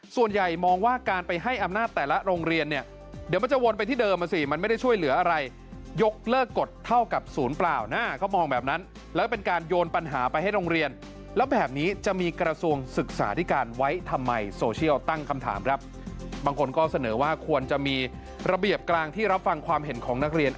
ส่วนใหญ่มองว่าการไปให้อำนาจแต่ละโรงเรียนเนี่ยเดี๋ยวมันจะวนไปที่เดิมอ่ะสิมันไม่ได้ช่วยเหลืออะไรยกเลิกกฎเท่ากับศูนย์เปล่านะเขามองแบบนั้นแล้วเป็นการโยนปัญหาไปให้โรงเรียนแล้วแบบนี้จะมีกระทรวงศึกษาที่การไว้ทำไมโซเชียลตั้งคำถามครับบางคนก็เสนอว่าควรจะมีระเบียบกลางที่รับฟังความเห็นของนักเรียน